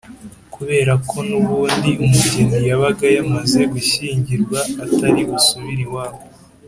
kubera ko n’ubundi umugeni yabaga yamaze gushyingirwa atari busubire iwabo